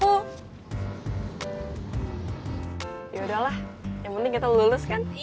yaudahlah yang penting kita lulus kan